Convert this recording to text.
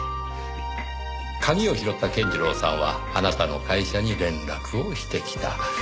鍵を拾った健次郎さんはあなたの会社に連絡をしてきた。